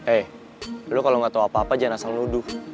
eh lu kalau gak tau apa apa jangan asal nuduh